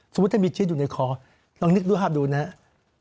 สมมุติถ้ามีชีวิตอยู่ในคอลองนึกดูภาพดูนะครับ